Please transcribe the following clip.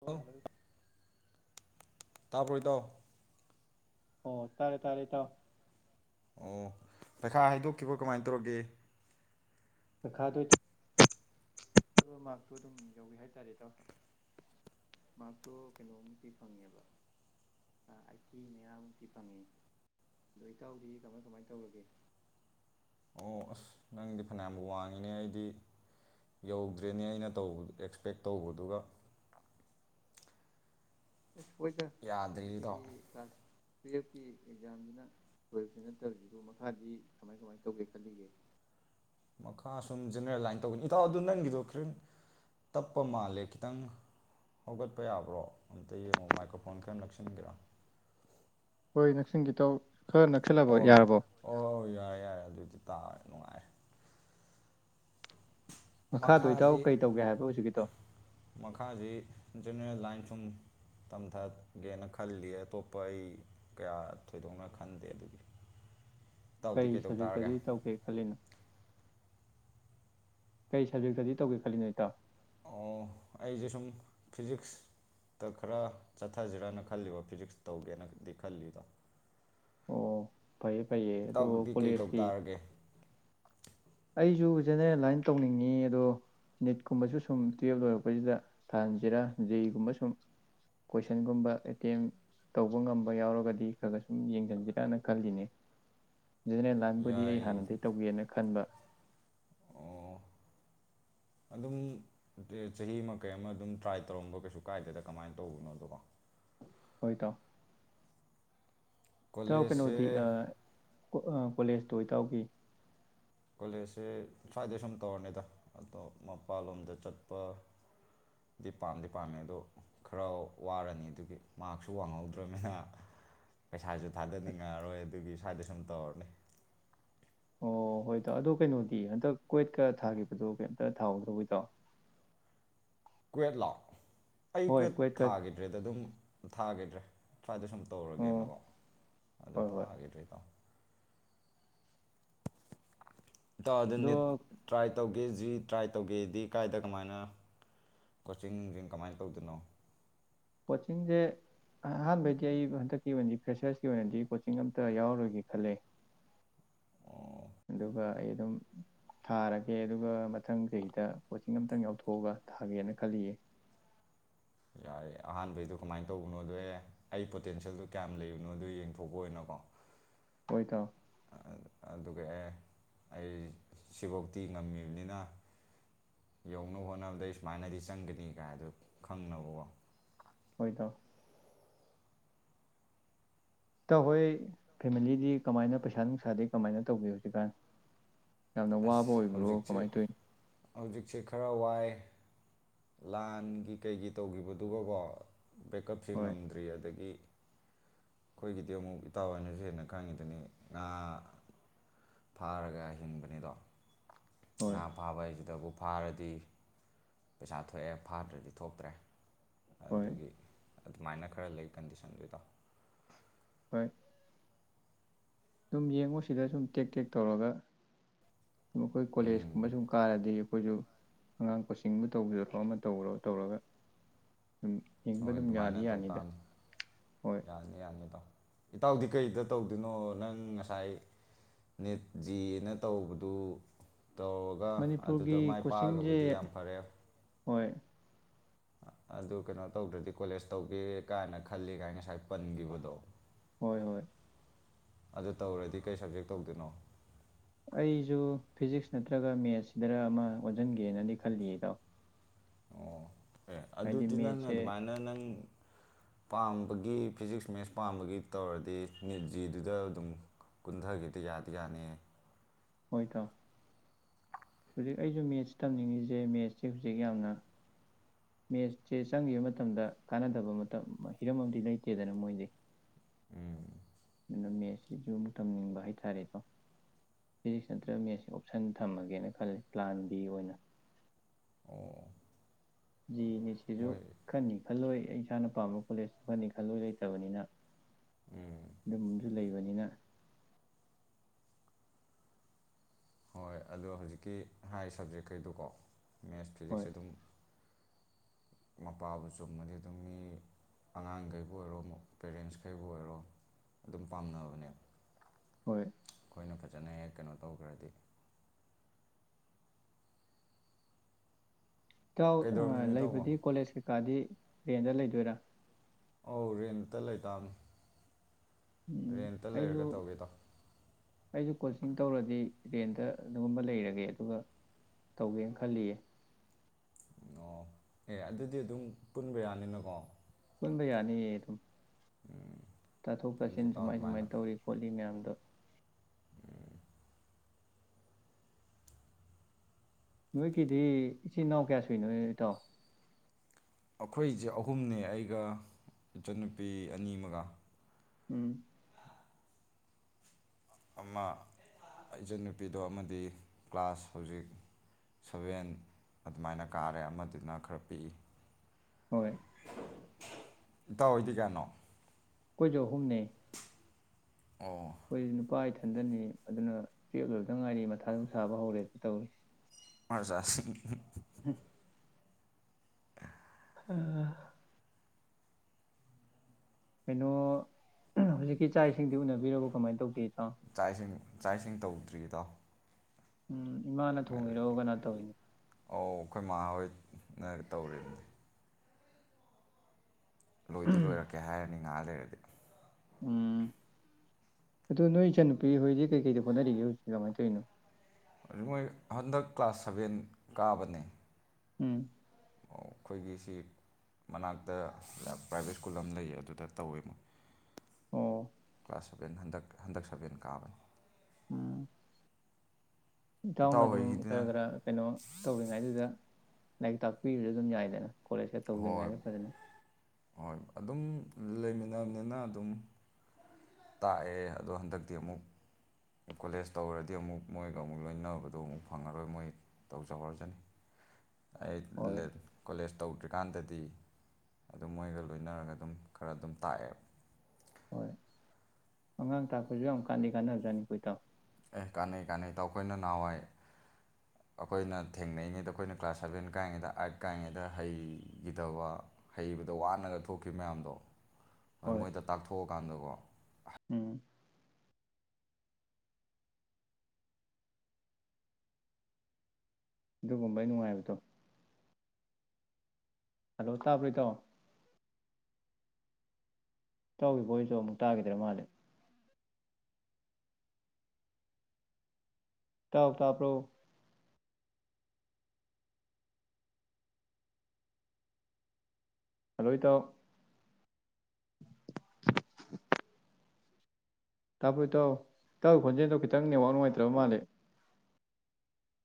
ꯑꯣ ꯍꯂꯣ ꯇꯥꯕꯔꯣꯏꯗꯣ ꯑꯣ ꯇꯥꯔꯦ ꯇꯥꯔꯦ ꯏ ꯇꯥꯎ ꯑꯣ ꯄꯩꯈꯥ ꯍꯥꯏꯗꯣꯛꯈꯤꯕꯣ ꯀꯃꯥꯏꯅ ꯇꯧꯔꯒꯦ ꯥ ꯇ ꯃꯥꯔꯛꯇꯣ ꯑꯗꯨꯝ ꯌꯧꯋꯦ ꯍꯥꯏꯇꯥꯔꯦ ꯏ ꯇꯥꯎ ꯃꯥꯔꯛꯇꯣ ꯀꯩꯅꯣꯃꯨꯛꯇꯤ ꯐꯪꯉꯦꯕ ꯑꯥꯏꯠꯇꯤ ꯃꯌꯥꯃꯨꯛꯇꯤ ꯐꯪꯉꯦ ꯑꯗꯨꯗꯣ ꯏꯇꯥꯎꯗꯤ ꯀꯃꯥꯏ ꯀꯃꯥꯏ ꯇꯧꯔꯒꯦ ꯑꯣ ꯑꯁ ꯅꯪꯗꯤ ꯐꯅꯌꯥꯝ ꯋꯥꯡꯉꯤꯅꯦ ꯑꯩꯗꯤ ꯌꯧꯗ꯭ꯔꯦꯅꯦ ꯑꯩꯅ ꯇꯧꯕ ꯑꯦꯛꯁꯄꯦꯛ ꯇꯧꯕꯗꯨꯒ ꯑꯦ ꯁꯣꯏꯗ ꯌꯥꯗ꯭ꯔꯤ ꯁꯤꯆꯒꯤ ꯏꯇꯥꯎ ꯀ꯭ꯂꯥꯁ ꯇꯨꯌꯦꯞꯀꯤ ꯑꯦꯛꯖꯥꯝꯗꯨꯅ ꯂꯣꯏꯕꯁꯨ ꯅꯠꯇꯕꯖꯤꯗ ꯃꯈꯥꯗꯤ ꯀꯃꯥꯏ ꯀꯃꯥꯏꯅ ꯇꯧꯒꯦ ꯈꯜꯂꯤꯒꯦ ꯃꯈꯥ ꯁꯨꯝ ꯖꯦꯅꯔꯦꯜ ꯂꯥꯏꯟ ꯇꯧꯒꯅꯤ ꯏꯇꯥꯎ ꯑꯗꯨ ꯅꯪꯒꯤꯗꯣ ꯈꯤꯇꯪ ꯇꯞꯄ ꯃꯥꯜꯂꯦ ꯈꯤꯇꯪ ꯍꯧꯒꯠꯄ ꯌꯥꯕ꯭ꯔꯣ ꯑꯝꯇ ꯌꯦꯡꯉꯣ ꯃꯥꯏꯀ꯭ꯔꯣꯐꯣꯟ ꯀꯔꯝ ꯅꯛꯁꯤꯟꯒꯦꯔꯥ ꯍꯣꯏ ꯅꯛꯁꯤꯡꯒꯤ ꯇꯥꯎ ꯑꯣ ꯑꯣ ꯌꯥꯔꯦ ꯌꯥꯔꯦ ꯑꯗꯨꯗꯤ ꯇꯥꯦ ꯅꯨꯡꯉꯥꯏꯔ ꯃꯈꯥꯗꯣ ꯏꯇꯥꯎ ꯃꯈꯥꯁꯤ ꯀꯩ ꯇꯧꯒꯦ ꯍꯥꯏꯕ ꯍꯧꯖꯀꯤꯗꯣ ꯖꯦꯅꯦꯔꯦꯜ ꯂꯥꯏꯟ ꯁꯨꯝ ꯇꯝꯊꯒꯦꯅ ꯈꯜꯂꯤ ꯑꯇꯣꯞꯄ ꯑꯩ ꯀꯌꯥ ꯊꯣꯏꯗꯣꯛꯅ ꯈꯟꯗꯦ ꯑꯗꯨꯒꯤ ꯏꯇꯥꯎꯗꯤ ꯀꯔꯤ ꯀꯩꯗꯧ ꯇꯥꯔꯒꯦ ꯁꯕꯖꯦꯛꯇꯗꯤ ꯇꯧꯒꯦ ꯈꯜꯂꯤꯅꯣ ꯀꯩ ꯁꯕꯖꯦꯛꯇꯗꯤ ꯇꯧꯒꯦ ꯈꯜꯂꯤꯅꯣ ꯑꯇꯥ ꯑꯣ ꯑꯩꯁꯦ ꯁꯨꯝ ꯐꯤꯖꯤꯛꯁꯇ ꯈꯔ ꯆꯠꯊꯁꯤꯔꯅ ꯈꯜꯂꯤꯕꯣ ꯐꯤꯖꯤꯛꯁ ꯇꯧꯒꯦꯅꯗꯤ ꯈꯜꯂꯤꯗꯣ ꯑꯣ ꯐꯩꯌꯦ ꯐꯩꯌꯦ ꯑꯗꯣ ꯏꯇꯥꯎꯗꯤ ꯀꯩ ꯇꯧ ꯀꯣꯂꯦꯖꯁꯤ ꯇꯥꯔꯒꯦ ꯑꯩꯁꯨ ꯖꯦꯅꯦꯔꯦꯜ ꯂꯥꯏꯟ ꯇꯧꯅꯤꯡꯉꯤ ꯑꯗꯣ ꯅꯤꯠꯀꯨꯝꯕꯁꯨ ꯁꯨꯝ ꯇꯨꯌꯦꯜꯞ ꯂꯣꯏꯔꯛꯄꯁꯤꯗ ꯊꯥꯍꯟꯁꯤꯔꯥ ꯖꯦꯒꯨꯝꯕ ꯁꯨꯝ ꯀꯣꯏꯁꯟꯒꯨꯝꯕ ꯑꯦꯇꯦꯝ ꯇꯧꯕ ꯉꯝꯕ ꯌꯥꯎꯔꯒꯗꯤ ꯈꯔ ꯈꯔ ꯁꯨꯝ ꯌꯦꯡꯁꯤꯟꯁꯤꯔꯅ ꯈꯜꯂꯤꯅꯤ ꯖꯦꯅꯦꯔꯦꯜ ꯂꯥꯏꯟꯕꯨꯗꯤ ꯑꯩ ꯌꯥꯏ ꯍꯥꯟꯅꯗꯤ ꯇꯧꯒꯦꯅ ꯈꯟꯕ ꯑꯣ ꯑꯗꯨꯝ ꯆꯍꯤ ꯑꯃ ꯀꯩ ꯑꯃ ꯑꯗꯨꯝ ꯇ꯭ꯔꯥꯏ ꯇꯧꯔꯝꯕ ꯀꯩꯁꯨ ꯀꯥꯏꯗꯦꯗ ꯀꯃꯥꯏꯅ ꯇꯧꯕꯅꯣꯗꯀꯣ ꯍꯇꯥ ꯀꯣ ꯀ ꯀꯣꯂꯦꯖꯁꯦ ꯅꯣꯗꯤ ꯑ ꯀꯣꯂꯦꯖꯇꯨ ꯏ ꯇꯥꯎꯈꯤ ꯀꯣꯂꯦꯖꯁꯦ ꯁ꯭ꯋꯥꯏꯗ ꯁꯨꯝ ꯇꯧꯔꯅꯤꯗ ꯑꯗꯣ ꯃꯄꯥꯟꯂꯣꯝꯗ ꯆꯠꯄꯗꯤ ꯄꯥꯝꯗꯦ ꯄꯥꯝꯃꯦ ꯑꯗꯣ ꯈꯔ ꯋꯥꯔꯅꯤ ꯑꯗꯨꯒꯤ ꯃꯥꯔꯛꯁꯨ ꯋꯥꯡꯍꯧꯗ꯭ꯔꯕꯅꯤꯅ ꯄꯩꯁꯥꯁꯨ ꯊꯥꯗꯅꯤꯡꯉꯛꯑꯔꯣꯏ ꯑꯗꯨꯒꯤ ꯁꯗꯁꯟ ꯇꯧꯔꯅꯤ ꯑꯣ ꯍꯣꯏꯗꯣ ꯑꯗꯣ ꯀꯩꯅꯣꯗꯤ ꯍꯟꯇꯛ ꯀ꯭ꯋꯦꯠꯀ ꯊꯥꯈꯤꯕꯗꯨꯣ ꯀꯩꯝꯇ ꯊꯥꯍꯧꯗ꯭ꯔꯣꯩꯗꯣ ꯀ꯭ꯋꯦꯠꯂꯣ ꯑꯩ ꯍꯣꯏ ꯀꯋꯦꯠ ꯀ꯭ꯋꯦꯠꯀ ꯊꯥꯒꯤꯗ꯭ꯔꯦꯗ ꯑꯗꯨꯝ ꯊꯥꯒꯤꯗ꯭ꯔꯦ ꯁ꯭ꯋꯥꯏꯗ ꯁꯨꯝ ꯑꯣ ꯇꯧꯔꯒꯦꯅꯀꯣ ꯑꯗꯨ ꯍꯣꯏ ꯍꯣꯏ ꯊꯥꯒꯤꯗ꯭ꯔꯦ ꯏꯇꯥꯎ ꯏꯇ ꯑꯗꯨ ꯑꯗꯣ ꯅꯤꯠ ꯇ꯭ꯔꯥꯏ ꯇꯧꯒꯦ ꯖꯤ ꯇ꯭ꯔꯥꯏ ꯇꯧꯒꯦꯗꯤ ꯀꯥꯏꯗ ꯀꯃꯥꯏꯅ ꯀꯣꯆꯤꯡ ꯅꯨꯡꯖꯤꯡ ꯀꯃꯥꯏꯅ ꯇꯧꯗꯣꯏꯅꯣ ꯀꯣꯆꯤꯡꯁꯦ ꯑꯍꯥꯟꯕꯩꯗꯤ ꯑꯩ ꯍꯟꯗꯛꯀꯤ ꯑꯣꯏꯅꯗꯤ ꯐ꯭ꯔꯦꯁꯔꯁꯀꯤ ꯑꯣꯏꯅꯗꯤ ꯀꯣꯆꯤꯡ ꯑꯃꯝꯇ ꯌꯥꯎꯔꯣꯏꯒꯦ ꯈꯜꯂꯦ ꯑꯣ ꯑꯗꯨꯒ ꯑꯩ ꯑꯗꯨꯝ ꯊꯥꯔꯒꯦ ꯑꯗꯨꯒ ꯃꯊꯪ ꯆꯍꯤꯗ ꯀꯣꯆꯤꯡ ꯑꯃꯝꯇꯪ ꯌꯥꯎꯊꯣꯛꯑꯒ ꯊꯥꯒꯦꯅ ꯈꯜꯂꯤꯌꯦ ꯌꯥꯏ ꯑꯍꯥꯟꯕꯩꯗꯣ ꯀꯃꯥꯏꯅ ꯇꯧꯕꯅꯣꯗꯣ ꯑꯦ ꯑꯩ ꯄꯣꯇꯦꯟꯁꯤꯌꯦꯜꯗꯣ ꯀꯌꯥꯝ ꯂꯩꯕꯅꯣꯗꯣ ꯌꯦꯡꯊꯣꯛꯄ ꯑꯣꯏꯅꯣꯀꯣ ꯇꯧ ꯑꯗꯨꯒ ꯑꯦ ꯑꯩ ꯁꯤꯕꯣꯛꯇꯤ ꯉꯝꯃꯤꯕꯅꯤꯅ ꯌꯧꯅꯕ ꯍꯣꯠꯅꯕꯗꯩ ꯁꯨꯃꯥꯏꯅꯗꯤ ꯆꯪꯒꯅꯤ ꯀꯥꯏꯗ ꯈꯪꯅꯕꯀꯣ ꯍꯣꯏ ꯢꯇꯩ ꯏꯇꯎ ꯍꯣꯏ ꯐꯦꯃꯤꯂꯤꯗꯤ ꯀꯃꯥꯏꯅ ꯄꯩꯁꯥ ꯅꯨꯡꯁꯥꯗꯤ ꯀꯃꯥꯏꯅ ꯇꯧꯒꯦ ꯍꯧꯖꯤꯛꯀꯥꯟ ꯌꯥꯝꯅ ꯋꯥꯕ ꯑꯁ ꯑꯣꯏꯕ꯭ꯔꯣ ꯍꯧꯖꯤꯛꯁꯦ ꯀꯃꯥꯏꯅ ꯇꯧꯅꯤ ꯍꯧꯖꯤꯛꯁꯦ ꯈꯔ ꯋꯥꯏ ꯂꯥꯟꯒꯤ ꯀꯩꯒꯤ ꯇꯧꯈꯤꯕꯗꯨꯒꯀꯣ ꯕꯦꯛꯀꯞꯁꯤ ꯍꯣꯏ ꯉꯝꯗ꯭ꯔꯤ ꯑꯗꯒꯤ ꯑꯩꯈꯣꯏꯒꯤꯗꯤ ꯑꯃꯨꯛ ꯏꯇꯥꯎ ꯍꯣꯏꯅꯥꯁꯨ ꯍꯦꯟꯅ ꯈꯪꯉꯤꯗꯨꯅꯤ ꯉꯥ ꯐꯥꯔꯒꯥ ꯍꯤꯡꯕꯅꯤꯗꯣ ꯍꯣꯏ ꯉꯥ ꯐꯕ ꯍꯥꯏꯖꯤꯇꯕꯨ ꯐꯥꯔꯗꯤ ꯄꯩꯁꯥ ꯊꯣꯛꯑꯦ ꯐꯥꯗ꯭ꯔꯗꯤ ꯊꯣꯛꯇ꯭ꯔꯦ ꯍꯣꯏ ꯑꯗꯨꯗꯨꯒꯤ ꯑꯗꯨꯃꯥꯏꯅ ꯈꯔ ꯂꯩ ꯀꯟꯗꯤꯁꯟꯗꯨ ꯏꯇꯥꯎ ꯍꯣꯏ ꯁꯨꯝ ꯌꯦꯡꯉꯨ ꯁꯤꯗ ꯁꯨꯝ ꯇꯦꯛ ꯇꯦꯛ ꯇꯧꯔꯒ ꯁ ꯑꯩꯈꯣꯏ ꯀꯣꯂꯦꯖ ꯀꯨꯝꯕ ꯁꯨꯝ ꯀꯥꯔꯗꯤ ꯑꯩꯈꯣꯏꯁꯨ ꯑꯉꯥꯡ ꯀꯣꯆꯤꯡꯕꯨ ꯇꯧꯕꯤꯔꯁꯨ ꯑꯃ ꯇꯧ ꯇꯧꯔꯒ ꯑꯗꯨꯝ ꯍꯤꯡꯕ ꯍꯣꯏ ꯑꯗꯨꯝ ꯑꯗꯨꯃꯥꯏꯅ ꯌꯥꯗꯤ ꯇꯧ ꯌꯥꯅꯤꯗ ꯇꯥꯃꯤ ꯍꯣꯏ ꯌꯥꯅꯤ ꯌꯥꯅꯤ ꯏꯇꯥꯎ ꯏꯇꯥꯎꯗꯤ ꯀꯩꯗ ꯇꯧꯗꯣꯏꯅꯣ ꯅꯪ ꯉꯁꯥꯏ ꯅꯦꯠ ꯖꯤꯅ ꯇꯧꯕꯗꯨ ꯇꯧꯔꯒ ꯃꯅꯤꯄꯨꯔꯒꯤ ꯑꯗꯨꯗ ꯃꯥꯏ ꯀꯣꯆꯤꯡꯁꯦ ꯄꯥꯛꯑꯒꯕꯨꯗꯤ ꯌꯥꯝ ꯐꯔꯦ ꯍꯣꯏ ꯑꯗꯨ ꯀꯩꯅꯣ ꯇꯧꯗ꯭ꯔꯗꯤ ꯀꯣꯂꯦꯖ ꯇꯧꯒꯦ ꯀꯥꯏꯅ ꯈꯜꯂꯤ ꯀꯥꯏꯅ ꯉꯁꯥꯏ ꯄꯟꯈꯤꯕꯗꯣ ꯍꯣꯏ ꯍꯣꯏ ꯑꯗꯨ ꯇꯧꯔꯗꯤ ꯀꯩ ꯁꯕꯖꯦꯛ ꯇꯧꯗꯣꯏꯅꯣ ꯑꯩꯁꯨ ꯐꯤꯖꯤꯛꯁ ꯅꯠꯇ꯭ꯔꯒ ꯃꯦꯠꯁꯁꯤꯗꯔ ꯑꯃ ꯑꯣꯟꯁꯤꯟꯒꯦꯅꯗꯤ ꯈꯜꯂꯤꯌꯦ ꯏꯇꯥꯎ ꯑꯣ ꯑꯦ ꯍꯥꯏꯗꯤ ꯑꯗꯨꯗꯤ ꯅꯪ ꯃꯦꯠꯁꯁꯦ ꯑꯗꯨꯃꯥꯏꯅ ꯅꯪ ꯄꯥꯝꯕꯒꯤ ꯐꯤꯖꯤꯛꯁ ꯃꯦꯠꯁ ꯄꯥꯝꯕꯒꯤ ꯇꯧꯔꯗꯤ ꯅꯤꯠ ꯖꯤꯗꯨꯗ ꯑꯗꯨꯝ ꯀꯨꯟꯊꯒꯦꯗꯤ ꯌꯥꯗꯤ ꯌꯥꯅꯤꯌꯦ ꯍꯣꯏ ꯇꯥꯎ ꯍꯧꯖꯤꯛ ꯑꯩꯁꯨ ꯃꯦꯠꯁ ꯇꯝꯅꯤꯡꯉꯤꯁꯦ ꯃꯦꯠꯁꯁꯦ ꯍꯧꯖꯤꯛ ꯌꯥꯝꯅ ꯃꯦꯠꯁꯁꯦ ꯆꯪꯈꯤꯕ ꯃꯇꯝꯗ ꯀꯥꯟꯅꯗꯕ ꯃꯇꯝ ꯍꯤꯔꯝ ꯑꯃꯗꯤ ꯂꯩꯇꯦꯗꯅ ꯃꯣꯏꯗꯤ ꯑꯗꯨ ꯃꯦꯠꯁꯁꯤꯁꯨ ꯑꯃꯨꯛ ꯊꯝꯅꯤꯡꯕ ꯍꯥꯏꯇꯥꯔꯦꯀꯣ ꯐꯤꯖꯤꯛꯁ ꯅꯠꯇ꯭ꯔꯒ ꯃꯦꯠꯁꯁꯤ ꯑꯣꯞꯁꯟ ꯊꯝꯃꯒꯦꯅ ꯈꯂꯦ ꯄ꯭ꯂꯥꯟ ꯕꯤ ꯑꯣꯏꯅ ꯑꯣ ꯖꯤ ꯅꯤꯌ ꯁꯤꯁꯨ ꯃꯣꯏ ꯈꯅꯤ ꯈꯜꯂꯣꯏ ꯑꯩ ꯏꯁꯥꯅ ꯄꯥꯝꯕ ꯀꯣꯂꯦꯖꯇꯨ ꯈꯅꯤ ꯈꯜꯂꯣꯏ ꯂꯩꯇꯕꯅꯤꯅ ꯑꯗꯨꯝꯕꯁꯨ ꯂꯩꯕꯅꯤꯅ ꯍꯣꯏ ꯑꯗꯣ ꯍꯧꯖꯤꯛꯀꯤ ꯍꯥꯏ ꯁꯕꯖꯦꯛ ꯈꯩꯗꯣꯀꯣ ꯃꯦꯠꯁ ꯍꯣꯏ ꯐꯤꯖꯤꯛꯁ ꯑꯗꯨꯝ ꯃꯄꯥꯕꯨ ꯆꯨꯝꯃꯗꯤ ꯑꯗꯨꯝ ꯃꯤ ꯑꯉꯥꯡꯈꯩꯕꯨ ꯑꯣꯏꯔꯣ ꯄꯦꯔꯦꯟꯁꯈꯩꯕꯨ ꯑꯣꯏꯔꯣ ꯑꯗꯨꯝ ꯄꯥꯝꯅꯕꯅꯦꯕ ꯍꯣꯏ ꯑꯩꯈꯣꯏꯅ ꯐꯖꯅ ꯍꯦꯛ ꯀꯩꯅꯣ ꯇꯧꯈ꯭ꯔꯗꯤ ꯏꯇꯥꯎ ꯑ ꯀꯩꯗꯧꯔꯝꯃꯤꯅꯣ ꯏꯇꯥꯎꯕꯣ ꯂꯩꯕꯗꯤ ꯀꯣꯂꯦꯖ ꯀꯩꯀꯥꯗꯤ ꯔꯦꯟꯗ ꯂꯩꯗꯣꯏꯔꯥ ꯑꯧ ꯔꯦꯟꯇ ꯂꯩꯇꯥꯕꯅꯤ ꯎꯝ ꯔꯦꯟꯇ ꯂꯩꯔꯒ ꯑꯩꯁꯨ ꯇꯧꯒꯦꯗꯣ ꯑꯩꯁꯨ ꯀꯣꯆꯤꯡ ꯇꯧꯔꯗꯤ ꯔꯦꯟꯗ ꯑꯗꯨꯒꯨꯝꯕ ꯂꯩꯔꯒꯦ ꯑꯗꯨꯒ ꯇꯧꯒꯦꯅ ꯈꯜꯂꯤꯌꯦ ꯑꯣ ꯑꯦ ꯑꯗꯨꯗꯤ ꯑꯗꯨꯝ ꯄꯨꯟꯕ ꯌꯥꯅꯤꯅꯀꯣ ꯄꯨꯟꯕ ꯌꯥꯅꯤꯌꯦ ꯗꯨꯝ ꯇꯥꯊꯣꯛ ꯄꯨꯟꯁꯤ ꯇꯥꯁꯤꯟ ꯏꯇꯥꯎ ꯁꯨꯃꯥꯏ ꯑꯗꯨꯃꯥꯏꯅ ꯁꯨꯃꯥꯏꯅ ꯇꯧꯔꯤ ꯈꯣꯠꯂꯤ ꯃꯌꯥꯝ ꯅꯣꯏꯒꯤꯗꯤ ꯏꯆꯤꯜ ꯏꯅꯥꯎ ꯀꯌꯥ ꯁꯨꯏꯅꯣ ꯏꯇꯥꯎ ꯑꯩꯈꯣꯏꯁꯦ ꯑꯍꯨꯝꯅꯦ ꯑꯩꯒ ꯏꯆꯟꯅꯨꯄꯤ ꯑꯅꯤ ꯑꯃꯒ ꯎꯝ ꯑꯃ ꯏꯆꯟꯟꯅꯨꯄꯤꯗꯣ ꯑꯃꯗꯤ ꯀ꯭ꯂꯥꯁ ꯍꯧꯖꯤꯛ ꯁꯚꯦꯟ ꯑꯗꯨꯃꯥꯏꯅ ꯀꯥꯔꯦ ꯑꯃꯗꯨꯅ ꯈꯔ ꯄꯤꯛꯏ ꯍꯣꯏ ꯏꯇꯥꯎꯑꯣ ꯍꯣꯏꯗꯤ ꯀꯌꯥꯅꯣ ꯀꯣꯏꯖꯨ ꯑꯍꯨꯝꯅꯦ ꯑꯣ ꯈꯣꯏꯖꯨ ꯅꯨꯄꯥꯥ ꯏꯊꯟ ꯑꯗꯨꯅꯤ ꯑꯗꯨꯅ ꯇꯨꯌꯦꯂ꯭ꯚ ꯂꯣꯏꯔꯛꯄꯗ ꯉꯥꯏꯔꯤ ꯃꯊꯥ ꯑꯗꯨꯝ ꯁꯥꯕ ꯍꯧꯔꯦ ꯇꯧꯔꯤ [unintelligible] ꯑꯥ ꯀꯩꯅꯣ ꯍꯧꯖꯤꯛꯀꯤ ꯆꯥꯛ ꯏꯁꯤꯡꯗꯤ ꯎꯅꯕꯤꯔꯕ ꯀꯃꯥꯏꯅ ꯇꯧꯒꯦ ꯏꯇꯥꯎ ꯆꯥꯛ ꯏꯁꯤꯡ ꯆꯥꯛ ꯏꯁꯤꯡ ꯇꯧ ꯇ꯭ꯔꯤꯗꯣ ꯎꯝ ꯏꯃꯥꯅ ꯊꯣꯡꯉꯤꯑꯣ ꯀꯅꯥ ꯊꯣꯡꯉꯤꯅꯣ ꯅꯒ ꯇꯧꯔꯤꯕꯅꯦ ꯂꯣꯏꯗꯤ ꯂꯣꯏꯔꯛꯀꯦ ꯍꯥꯏꯔꯅꯤ ꯉꯍꯥꯛ ꯂꯩꯔꯗꯤ ꯎꯝ ꯑꯗꯨ ꯅꯣꯏ ꯏꯆꯟꯅꯨꯄꯤ ꯍꯣꯏꯗꯤ ꯀꯩꯀꯩꯗ ꯍꯣꯠꯅꯔꯤꯒꯦ ꯍꯧꯖꯤꯛ ꯀꯃꯥꯏꯅ ꯇꯧꯔꯤꯅꯣ ꯑꯗꯨ ꯃꯣꯏ ꯍꯟꯗꯛ ꯀ꯭ꯂꯥꯁ ꯁꯚꯦꯟ ꯀꯥꯕꯅꯦ ꯎꯝ ꯑꯩꯈꯣꯏꯒꯤꯁꯤ ꯃꯅꯥꯛꯇ ꯄ꯭ꯔꯥꯏꯚꯦꯠ ꯁ꯭ꯀꯨꯜ ꯑꯃ ꯂꯩꯌꯦ ꯑꯗꯨꯗ ꯇꯧꯋꯦ ꯃ ꯑꯣ ꯀ꯭ꯂꯥꯁ ꯁꯕꯦꯟ ꯍꯟꯗꯛ ꯍꯟꯗꯛ ꯁꯕꯦꯟ ꯀꯥꯕꯅꯤ ꯎꯝ ꯏꯇꯥꯎꯅ ꯏꯇꯥꯎ ꯑꯗꯨꯝ ꯈꯔ ꯍꯣꯏꯒꯤꯗꯨꯅ ꯈꯔ ꯀꯩꯅꯣ ꯇꯧꯔꯤ ꯍꯥꯏꯗꯨꯗ ꯂꯥꯏꯔꯤꯛ ꯇꯥꯛꯄꯤꯔꯁꯨ ꯑꯗꯨꯝ ꯌꯥꯏꯗꯅ ꯀꯣꯂꯦꯖ ꯍꯦꯛ ꯍꯣꯏ ꯇꯧꯗ꯭ꯔꯤꯉꯩꯗ ꯐꯖꯅ ꯍꯣꯏ ꯑꯗꯨꯝ ꯂꯩꯃꯤꯟꯅꯕꯅꯤꯅ ꯑꯗꯨꯝ ꯇꯥꯛꯑꯦ ꯑꯗꯣ ꯍꯟꯗꯛꯇꯤ ꯑꯃꯨꯛ ꯀꯣꯂꯦꯖ ꯇꯧꯔꯗꯤ ꯑꯃꯨꯛ ꯃꯣꯏꯒ ꯑꯃꯨꯛ ꯂꯣꯏꯅꯕꯗꯣ ꯑꯃꯨꯛ ꯐꯪꯉꯔꯣꯏ ꯃꯣꯏ ꯇꯧꯖꯍꯧꯔꯖꯅꯤ꯫ ꯑꯩꯠ ꯍꯣꯏ ꯂꯦꯠ ꯀꯣꯂꯦꯖ ꯇꯧꯗꯔ꯭ꯤ꯫ ꯀꯥꯟꯗꯗꯤ ꯑꯗꯨꯝ ꯃꯣꯏꯒ ꯂꯣꯏꯅꯔꯒ ꯑꯗꯨꯝ ꯈꯔ ꯑꯗꯨꯝ ꯇꯥꯛꯑꯦ ꯍꯣꯏ ꯑꯉꯥꯡ ꯇꯥꯛꯄꯁꯨ ꯌꯥꯝ ꯀꯥꯟꯗꯤ ꯀꯥꯅꯕꯖꯥꯠꯅꯤꯀꯣ ꯏꯇꯥꯎ꯫ ꯑꯦ ꯀꯥꯟꯅꯩ-ꯀꯥꯟꯅꯩ ꯏꯇꯥꯎ ꯑꯩꯈꯣꯏꯅ ꯅꯍꯥꯟꯋꯥꯏ ꯑꯈꯣꯏꯅ ꯊꯦꯡꯅꯔꯤꯉꯩꯗ ꯑꯩꯈꯣꯏꯅ ꯀ꯭ꯂꯥꯁ ꯁꯚꯦꯟ ꯀꯥꯏꯉꯩꯗ ꯑꯥꯏꯠ ꯀꯥꯏꯉꯩꯗ ꯍꯩꯈꯤꯗꯕ ꯍꯩꯕꯗꯣ ꯋꯥꯅꯒ ꯊꯣꯛꯈꯤ ꯃꯌꯥꯝꯗꯣ ꯍꯣꯏ ꯃꯣꯏꯗ ꯇꯥꯛꯊꯣꯛ ꯀꯥꯟꯗꯀꯣ ꯎꯝ ꯑꯗꯨꯒꯨꯝꯕꯩ ꯅꯨꯡꯉꯥꯏꯕꯗꯣ ꯍꯜꯂꯣ ꯇꯥꯕ꯭ꯔ ꯏꯇꯥꯎ꯫ ꯏꯇꯥꯎꯒꯤ ꯚꯣꯏꯁꯇꯣ ꯑꯃꯨꯛ ꯇꯥꯈꯤꯗ꯭ꯔ ꯃꯥꯜꯂꯦ꯫ ꯏꯇꯥꯎ ꯇꯥꯕ꯭ꯔꯣ ꯍꯂꯣ ꯏꯇꯥꯎ꯫ [inaudible] ꯇꯥꯕꯔꯣ ꯏꯇꯥꯎ ꯏꯇꯥꯎ ꯈꯣꯟꯖꯦꯜꯗꯨ ꯈꯤꯇꯪ ꯅꯦꯋꯥꯛ ꯅꯨꯡꯉꯥꯏꯇ꯭ꯔꯕ ꯃꯥꯜꯂꯦ